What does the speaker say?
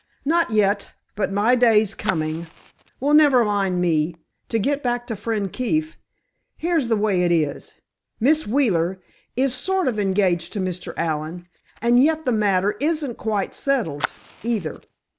"Not yet. But my day's coming. Well, never mind me—to get back to Friend Keefe. Here's the way it is. Miss Wheeler is sort of engaged to Mr. Allen, and yet the matter isn't quite settled, either.